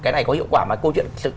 cái này có hiệu quả mà câu chuyện